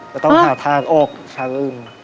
จะต้องหาทางออกทางอื่น